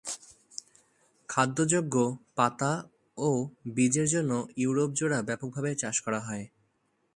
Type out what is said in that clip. খাদ্যযোগ্য পাতা ও বীজের জন্য ইউরোপ জুড়ে ব্যাপকভাবে চাষ করা হয়।